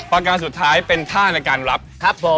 ประการสุดท้ายเป็นท่าในการรับครับผม